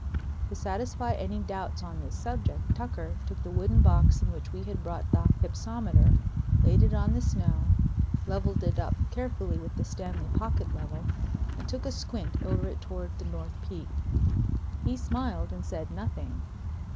To satisfy any doubts on this subject, Tucker took the wooden box in which we had brought the hypsometer, laid it on the snow, leveled it up carefully with the Stanley pocket level, and took a squint over it toward the north peak. He smiled and said nothing.